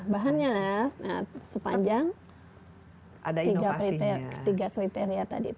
bahannya sepanjang tiga kriteria tadi itu